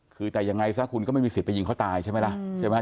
คือแต่ยังไงซะคุณก็ไม่มีศิษย์ไปยิงเขาตายใช่ไหมละ